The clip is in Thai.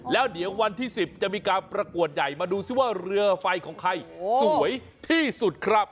แล้วเดี๋ยววันที่๑๐จะมีการประกวดใหญ่มาดูซิว่าเรือไฟของใครสวยที่สุดครับ